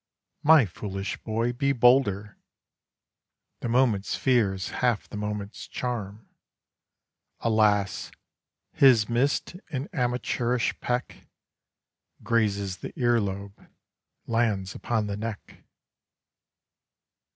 My foolish boy, be bolder; The moment's fear is half the moment's charm.... Alas! His missed and amateurish peck Grazes the ear lobe; lands upon the neck.